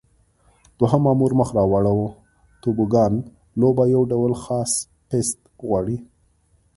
دوهم مامور مخ را واړاوه: توبوګان لوبه یو ډول خاص پېست غواړي.